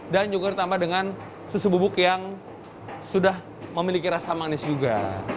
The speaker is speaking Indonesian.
dan juga ditambah dengan susu bubuk yang sudah memiliki rasa manis juga